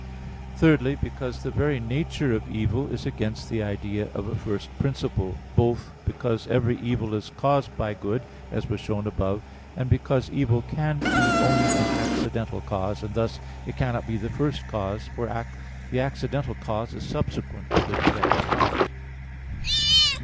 Thirdly, because the very nature of evil is against the idea of a first principle; both because every evil is caused by good, as was shown above (A. 1), and because evil can be only an accidental cause, and thus it cannot be the first cause, for the accidental cause is subsequent to the direct cause.